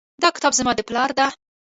دا کتاب زما د پلار ده